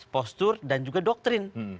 postur dan juga doktrin